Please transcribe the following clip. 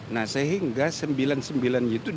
nah sehingga sembilan sembilan itu ditutupkan